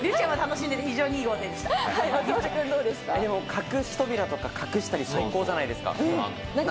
隠し扉とか隠したり最高じゃないですか。